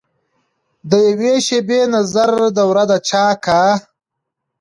دیوي شیبي نظر دوره دچاکه